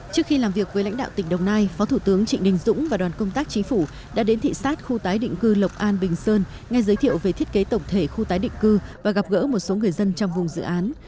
trước khi làm việc với lãnh đạo tỉnh đồng nai phó thủ tướng trịnh đình dũng và đoàn công tác chính phủ đã đến thị xát khu tái định cư lộc an bình sơn ngay giới thiệu về thiết kế tổng thể khu tái định cư và gặp gỡ một số người dân trong vùng dự án